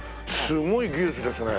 すごい技術ですね。